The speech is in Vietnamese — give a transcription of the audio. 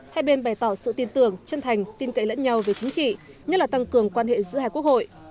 hai bên bày tỏ sự tin tưởng chân thành tin cậy lẫn nhau về chính trị nhất là tăng cường quan hệ giữa hai quốc hội